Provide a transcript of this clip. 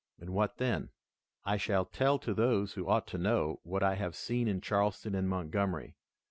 "And what then?" "I shall tell to those who ought to know what I have seen in Charleston and Montgomery.